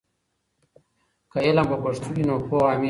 که علم په پښتو وي نو پوهه عامېږي.